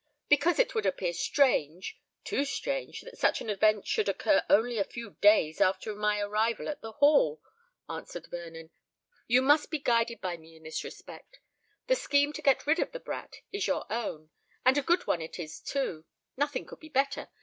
"Because it would appear strange—too strange that such an event should occur only a few days after my arrival at the Hall," answered Vernon. "You must be guided by me in this respect. The scheme to get rid of the brat is your own—and a good one it is too. Nothing could be better.